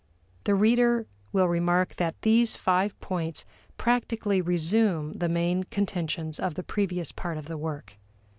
The reader will remark that these five points practically resume the main contentions of the previous part of the work.